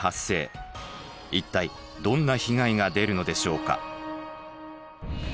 一体どんな被害が出るのでしょうか？